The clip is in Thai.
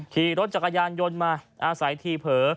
ขี่รถจักรยานยนต์มาอาศัยทีเผลอ